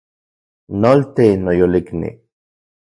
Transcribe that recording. Nolti, noyolikni